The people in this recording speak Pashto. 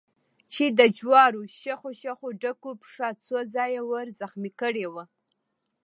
چې د جوارو شخو شخو ډکو پښه څو ځایه ور زخمي کړې وه.